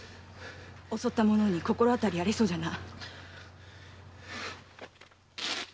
襲った者に心当たりがありそうじゃな？